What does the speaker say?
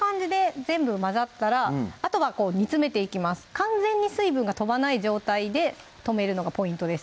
完全に水分が飛ばない状態で止めるのがポイントです